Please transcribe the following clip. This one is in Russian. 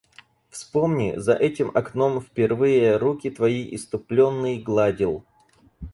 Вспомни — за этим окном впервые руки твои, исступленный, гладил.